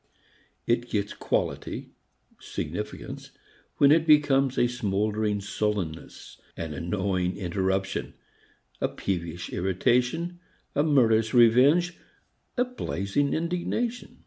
It gets quality, significance, when it becomes a smouldering sullenness, an annoying interruption, a peevish irritation, a murderous revenge, a blazing indignation.